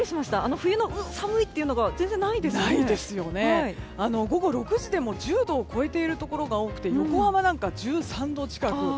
冬の、寒い！というのが午後６時でも１０度を超えているところが多く横浜は１３度近く。